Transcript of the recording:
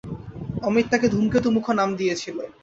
অমিত তাকে ধূমকেতু মুখো নাম দিয়েছিল।